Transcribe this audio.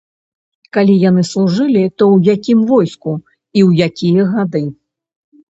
Калі яны служылі, то ў якім войску і ў якія гады.